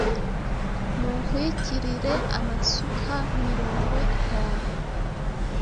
Munkwikirire amasuka mirongo itanu